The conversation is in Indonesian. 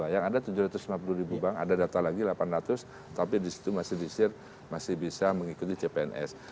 yang ada tujuh ratus lima puluh ribu bank ada data lagi delapan ratus tapi disitu masih di share masih bisa mengikuti cpns